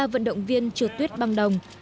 ba vận động viên trượt tuyết băng đồng